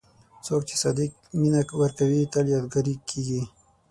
څوک چې صادق مینه ورکوي، تل یادګاري کېږي.